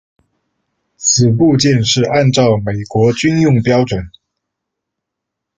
此部件是按照美国军用标准。